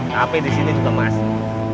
tapi di sini juga masih